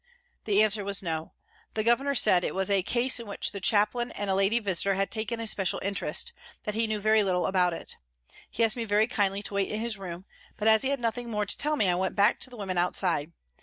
The answer was " No." The Governor said it was a case in which the Chaplain and a lady visitor had taken a special interest, that he knew very little about it. He asked me very kindly to wait in his room, but as he had nothing more to tell me I went back to the women outside.